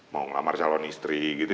mau ngelamar calon istri gitu